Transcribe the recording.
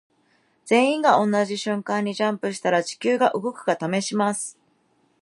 全員が同じ瞬間にジャンプしたら地球が動くか試します。